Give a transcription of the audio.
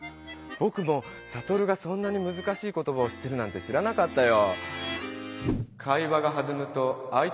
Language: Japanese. ぼくもサトルがそんなにむずかしいことばを知ってるなんて知らなかったよ。